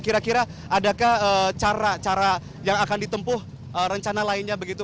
kira kira adakah cara cara yang akan ditempuh rencana lainnya begitu